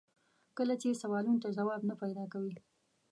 کله چې سوالونو ته ځواب نه پیدا کوي.